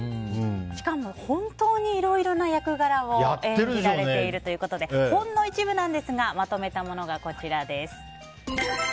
しかも本当にいろいろな役柄を演じられているということでほんの一部ですがまとめたものがこちら。